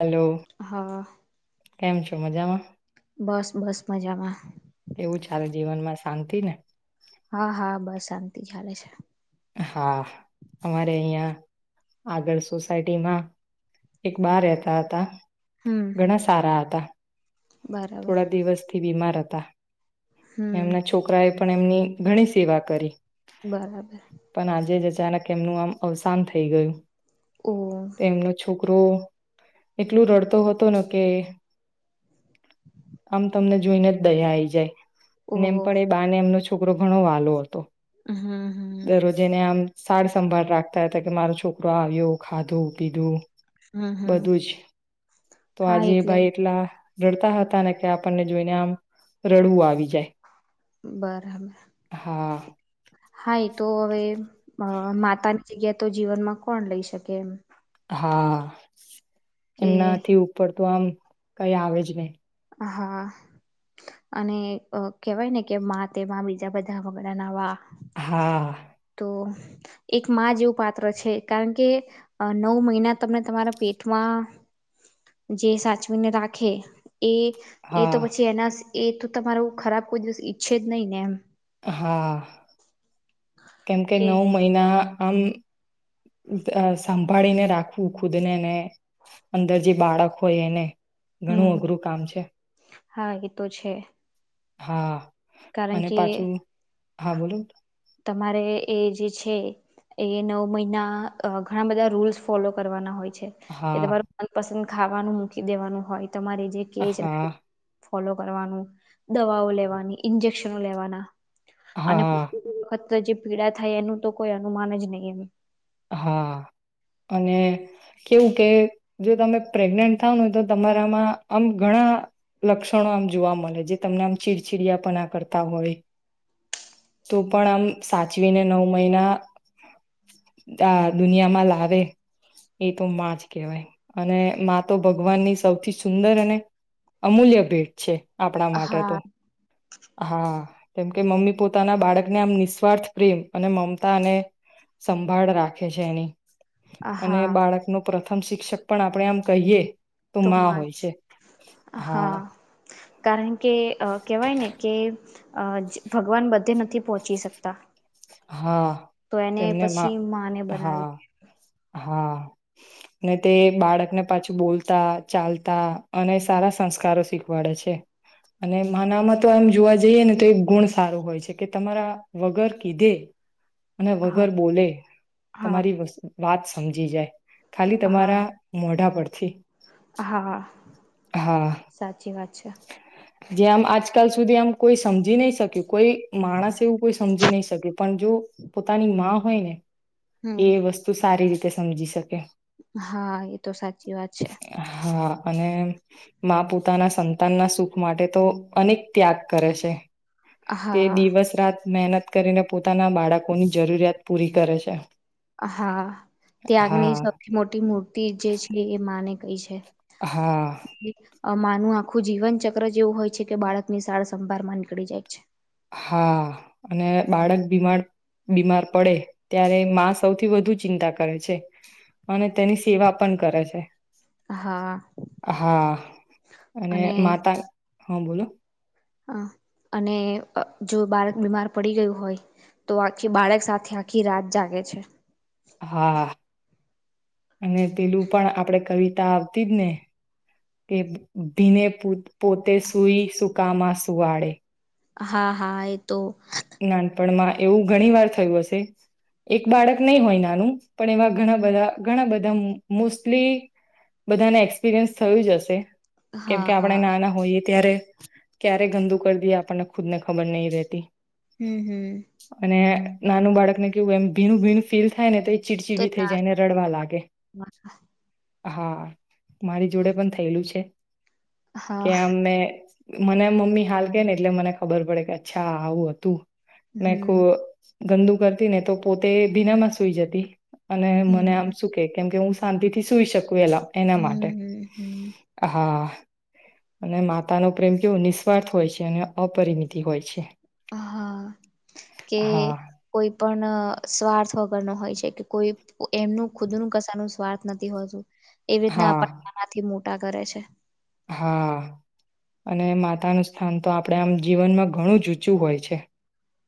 Hello હા કેમ છો મજામાં? બસ બસ મજામાં. એવું ચાલે જીવનમાં શાંતિ ને. હા હા બસ શાંતિ ચાલે છે. હા અમારે અહીંયા આગળ સોસાયટીમાં એક બા રહેતા હતા. હમ ઘણા સારા હતા. બરાબર થોડા દિવસ બીમાર હતા. હમ એમના છોકરા એ પણ એમની ઘણી સેવા કરી. બરાબર. પણ આજે જ અચાનક એમનું આમ અવસાન થઈ ગયું. ઓ. તો એમનો છોકરો એટલું રડતો હતો ને કે આમ તમને જોઈને જ દયા આઈ જાય. અને એમ ઓહ પણ એ બાને એમનો છોકરો ઘણો વાલો હતો. હમ હમ. દરરોજ એને આમ સાર સંંભાળ રાખતા હતા કે મારો છોકરો આવ્યો ખાધું પીધું. હમ હમ બધું જ તો હા આજે એટલે ભાઈ એટલા રડતા હતા ને કે આપણને જોઈને આમ રડવું આવી જાય. બરાબર. હા હા એ તો અવે અ માતા ની. જગ્યા તો જીવનમાં કોણ લઈ શકે એમ. હા. કે એમનાથી ઉપર તો આમ કઈ આવે જ નહી. હા અને કેહેવાય ને કે તેમાં બીજા બધા વગડા ના વા હા. તો એક માં જેવું પાત્ર છે કારણ કે નવ મહિના તમને તમારા પેટમાં જે સાચવીને રાખે. એ એ તો હા પછી એના એ તો તમારો ખરાબ કોઈ દિવસ ઈચ્છે જ નહીં ને એમ. હા. કેમ કે નવ મહિના. આમ સંંભાળીને રાખવું ખુદ ને ને અંદર જે બાળક હોય એને. ઘણું હમ અઘરું કામ છે. હા એ તો છે. હા. કારણ અને કે પાછું હા બોલો. તમારે એ જે છે એ નવ મહિના ઘણા બધા રૂલ્સ ફોલો કરવાના હોય. હા પસંદ. ખાવાનું મૂકી દેવાનું હોય. તમારે જે કે છે. હા ફોલો કરવાનું દવાઓ લેવાની ઇન્જેક્શનો લેવાના. અને હા. વખત જે પીડા થાય એનું તો કોઈ અનુમાન જ નહીં એમે. હા અને કેવું કે જો તમે પ્રેગ્નેન્ટ થાવ નેય તો તમારામાં આમ ઘણા લક્ષણો આમ જોવા મળે જે તમને આમ ચીડચીડિયાપ ના કરતા હોય તો પણ આમ સાચવીને નવ મહિના આ દુનિયામાં લાવે એ તો માં જ કહેવાય અને તો ભગવાન ની સૌથી સુંદર અને અમૂલ્ય ભેટ છે. આપણા માટે તો. હા હા કેમકે મમ્મી પોતાના બાળકને આમ નિસ્વાર્થ પ્રેમ અને મમતા અને ભાળ રાખે છે એની. અને હા બાળકનો પ્રથ પ્રથમ શિક્ષક પણ આપણે આમ કહીએ. તો માં મા હોય જ છે હા કારણ કે કેહેવાય ને કે. અ ભગવાન બધે નથી પહોંચી શકતા. હા. તો એને તેમને મા પછી માને હા બનાવી. હા ને તે બાળકને પાછું બોલતા ચાલતા અને સારા સંસ્કારો શીખવાડે છે અને માનામાં તો એમ જોવા જઈએ ને તો એ ગુણ સારું હોય છે કે તમારા વગર કીધે. અને હા વગર બોલે હા તમારી વસ્ુ વાત સમજી જાય ખાલી હા તમારા મોઢા પડતા પક્ષી હા સાચી વાત અચ્છા જે આમ આજકાલ સુધી આમ કોઈ સમજી નહી શક્યું કોઈ માણસ એવું કોઈ સમજી નહી શક્યું પણ જો પોતાની માં હોય ને હમ એ વસ્તુ સારી રી તે સમજી શકે હા એ તો સાચી વાત છે હા અને પોતાના સંત તાના સુખ માટે તો અનેક ત્યાગ કરે છે તે હા દિવસ રાત મહેનત કરીને પોતાના બાળકોની જરૂરિયાત પૂરી કરે છે હા ત્યાગની હા સૌથી મોટી મૂર્તિ જે છે એ માને એ છે હા માનું આખું જીવનચક્ર જ એવું હોય છે કે બાળકની સાાળ સંભારમાં નીકળી જાય છે હા અને બાળક બીમાર બીમાર પડે ત્યારે સૌથી વધુ ચિંતા કરે છે અને તેની સેવા પણ કરે છે છે હા હા અને માતા હા બોલો હ અને જો બાળક બીમાર પડી ગયું હોય તો આખી બાળક સાથે આખી રાત જાગે છે હા અને પેલું પણ આપણેે કવિતા આવતી જ ને કે ભીને પોતે સુઈ સુકામાં સુવાડે હા હા એ તો નાનપણમાં એવું ઘણી વાર થયું હશે એક બાળક નહી હોય નાનું પણ એવા ઘણા બધા ઘણા બધા મોસ્ટલી બધાને એક્સપિરિયન્સ થયું જ હશે હા કેમ કે હા આપણે નાના હોઈએ ત્યારે ક્યારે ગંદુ કરી દએ આપણને ખુદ ને ખબર નહીિ રતી હમ હમ અને નાનું બાળક ને કેવું એમ ભીનુંું ભીણું ફીલ થાય ને તો ચીડચીડી થઈ જાયને રડવા લાગે હા મારી જોડે પણ થયેલું છે હા કે આમને મને મમ્મી હાલ કે ને એટલે મને ખબર પડે કે અચ્છાા આવું હતું તો નાક હમ ગંદુ કરતી ને તો પોતે ભીના માં સૂઈ જતી અને મને આમ હમ શું કે કેમ કે હું શાિથી સુઈ શક કવેલા એના માટે હમ હમ હમ હા અને માતા નો પ્રેમ કેવો નિસ્વાર્થ હોય છે અને અપરિમિતિ હોય છે હા કે હા કોઈ પણ સ્વાર્થ વગર નો હોય છે કે કોઈ એમનું ખુદ ન કશા ન સ્વાર્થ નથી હોત એવી રીતના આપ હા નાનાથી મોટ ટા કરે છે હા અને માતાનું સ્થાન તો આપણે આમ જીવનમાં ઘણું ઊંચું હોય છે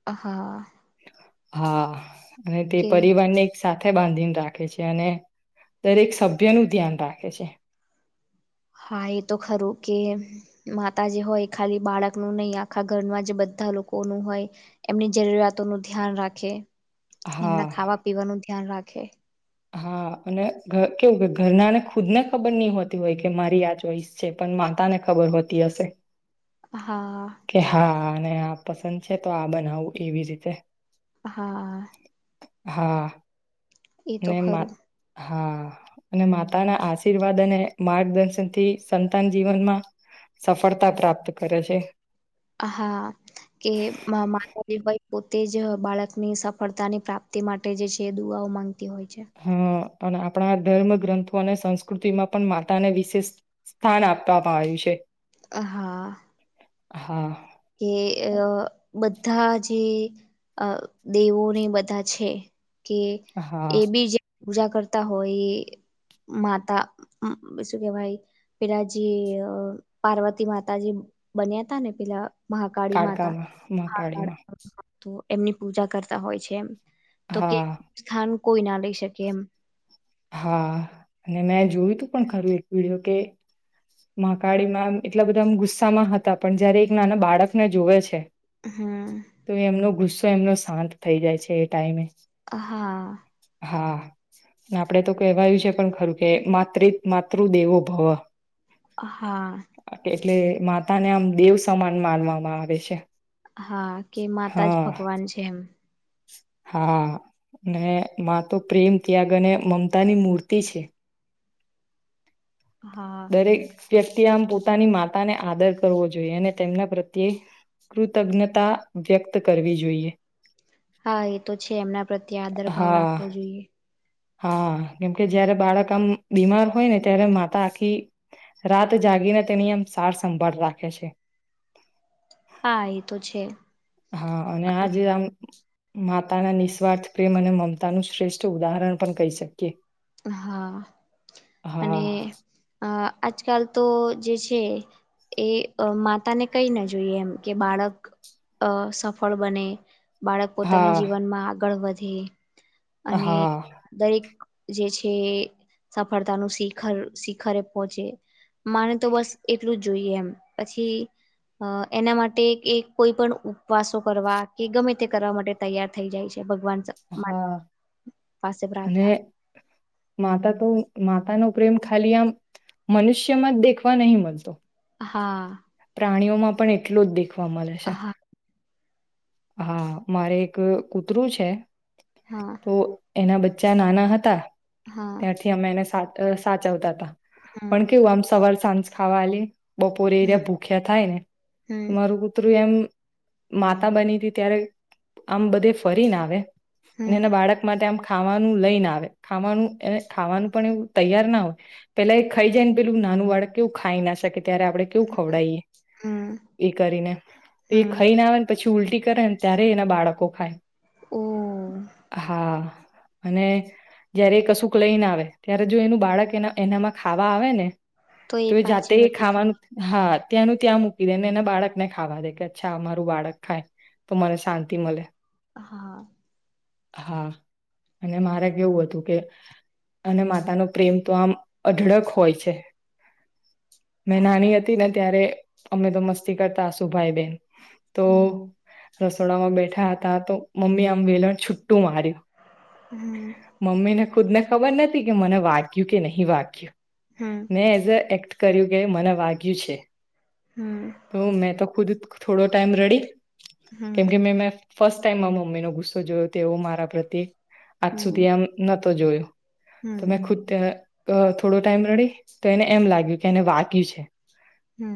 હા હા અને તે કે પરિવારને સાથે બાંધીને રાખે છે અને દરેક સભ્ય નું ધ્યાન રાખે છે હા એ તો ખરું કે માતા જે હોય ખાલી બાળકનું નહીિ આખા ઘરમાં જે બધા લોકોનું હોય એમની જરૂરિયાતોનુંું ધ્યાન રાખે એમના હા ખાવા પીવાનું ધ્યાન રાખે એ હા અને કેવું કે ઘરનાને ખુદ ને ખબર નહી હોતી હોય કે મારી આ ચોઈસ છે પણ માતા ને ખબર હોતી હશે હા કે હા આ પસંદ છે તો આ બનાવું એવી રીતે હા હા એ તો ને મા ખરું હા અને માતા ના આશીર્વાદ અને માર્ગદર્શન થી સંતાન જીવનમાં સફળતા પ્રાપ્ત કરે છે હા કે માતા ભ પોતે જ બાળકની સફળતાની પ્રાપ્તિ માટે જે છે દુઆઓ માંગતા હોય છે હા અને આપણા ધર્મ ગ્રંથો અને સંસ્કૃતિમાં પણ માતાને વિશેષ સ્થાન આપવામાં આવ્યું છે હ હા હા કે અ બધ બધા જે દેવોને બધા છે કે હા એ બીજ પૂજા કરતા હોય માતા શું કેવાય પેલા જે પાર્વતી માતાજી બન્યા હતા ને પેલા મહાકાળી માતા કાળકામાં મા કાળીમાં તો એમની પૂજા કરતા હોય છે એમ તો કે હા સ્થાન કોઈ ના લઈ શકે એમ હા અને મેં જોયું તું પણ ખરું એક વિડીયો કે મહકાળીમાં એટલા બધામ ગુસ્સામાં હતા પણ જયારે એક નાના બાળકને જોવે છે. હમ તો એમનો ગુસ તો એમનો શાંત થઇ જાય છે એ ટાઈમે હા છા આપડે તો કહેવાયું છે પણ ખરું કે માત્રે માતૃદેવો ભવ હા એટલે માતા ને આમ દેવ સમાન માનવામાં આવે છે. હા કે માતા જ હા ભગવાન છે એમ હા ને માતો પ્રેમ ત્યાગ અને મમતાની મૂર્તિ છે. હા દરેક વ્યક્તિ આમ પોતાની માતાને આદર કરવો જોઈએ અને તેમના પ્રત્યે કૃતજ્ઞતા વ્યક્ત કરવી જોઈએ. હા એ તો છે એમના પ્રત્યે આદર ભાવ હા રાખવો જોઈએ. હા કેમકે જયારે બાળક આમ બીમાર હોય ને ત્યારે માતા આખી રાત જાગીને તેની આમ સાર સંંભાળ રાખે છે. હા એ તો છે. હા અને આ જે આમ માતાના નિસ્વાર્થ પ્રેમ અને મમતાનું શ્રેષ્ઠ ઉદાહરણ પણ કહી શકીએ હા અને હા આ આજકાલ તો જે છે એ માતા ને કઈ ના જોઈએ એમ કે બાળક અ સફળ બને બાળક પોતાના હા જીવનમાં આગળ વ ધે અને હા દરેક જે છે સફળતાનું શિખર શિખરે પહોંચે માને તો બસ એટલું જ જોઈએ એમ પછી અ એના માટે કે કોઈ પણ ઉપવાસો કરવા કે ગમે તે કરવા માટે તૈયાર થઈ જાય છે ભ ગવાન હા અને [unintelligible] માતા તો માતા નો પ્રેમ ખાલી આ મનુષ્યમાં જ દેખવા નહી મલતો હા પ્રાણીઓ માં પણ એટલો જ દે વા મલે છે. હા હા મારે એક કૂતરું છે. હા તો એના બ ચ્ચા નાના હતા હા ત્યાંથી અમે એને સા અ સાચવત હમ પણ કેવું આમ સવાર સાંજ ખાવાલી બપોરે હમ એિયા ભૂખ્યા થાય ને તો હમ મારું કુતરું એમ માતા બની ત્યારે આમ બધે ફરીને આવે અને એના હમ બાળક માટે આમ ખાવાનું લઈ ના આવે ખાવાનું એ ખાવાનું પણ એવું તૈયાર ના હોય પેલા એ ખાઈ જાય ને પેલું નાનું બાળક એવું ખાઈ ના શકે ત્યારે આપણે કેવું ખવડાયએ હમ એ કરીને તો એ હમ ખાઈને આવેને પછી ચૂલટી કરે ને ત્યારે એના બાળકો ખાય ઓ હા અને જયારે એ કશુંક લઈને આવે ત્યારે જો એનું બાળક એના એનામાં ખાવા આવે ને તો એ તમે જાતે પાછી હટી ખાવાનું જાય હા ત્યાંનું ત્યાં મૂકી દે ને એને બાળક ને ખાવા દે કે અચ્છા અમારું બાળક ખાય તો મને શાંતિ મળે હા હા અને મારે કેવું હતું કે અને માતા ન પ્રેમ તો આમ અઢળક હોય છે મેં નાની હતી ને ત્યારે અમે તો મસ્તી કરતા આશુભાઈ બેન હમ રસોડામાં બેઠા હતા તો મમ્મી આમ વેલણ છુ તું માર્યું હમ મમ્મીને ખુદ ને ખબર નથી કે મને વાગ્યું કે નહીં વાગ્યું હમ નાને એઝ અ્ટર કર્યું કે મને વાગય્યું છે હમ તો મેં તો ખુદ થોડો ટાઈમ રેડી કેમ હમ કે મે મે ફર્સ્ટ ટાઈમ મમ્મીનોો ગુસ્સો જોયો તેવો મારા પ્રત્યે આજ હમ સુધી આમ તો જોયું હમ તમે ખુદ ત્યાં અ થોડો ટાઈમ રડી તો એને એમ લાગ્યું કે એને વાગ્યું છે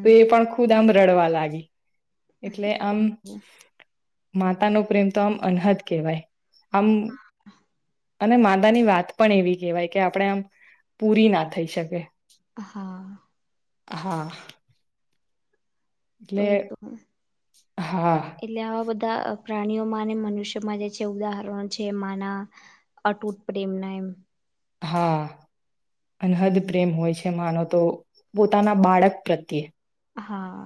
તો એ પણ ખુદ આમ રડવા લાગી એટલે આમ ઓ માતા નો પ્રેમ તો આમ અનહદ કહેવાય આમ [inaudible] અને મામાંદાની વાત પણ એવી કહેવાય કે આપણે આમ પૂરી ના થઈ શકે હા હા તો એટલે એ તો હા એટલે આવા બધા પ્રાણીઓમાં મનુષ્યમાં જે છે ઉદાહરણો છે માના અતૂટ પ્રેમના એમ હા અનહદ પ્રેમ હોય છે માનો તો પોતાના બાળક પ્રત્યે હા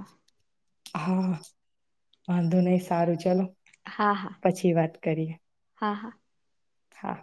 હા વાંધો નહી સારું ચલોો હા હા પછી વાત કરીએ હા હા હા